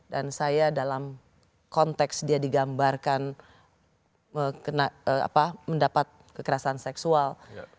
dan saya dalam konteks dia digambarkan mendapat kekerasan seksual